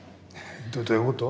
どどういうこと？